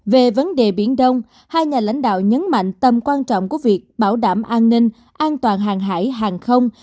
về vấn đề biển đông hai nhà lãnh đạo nhấn mạnh tầm quan trọng của việc bảo đảm an ninh an toàn hàng hải hàng không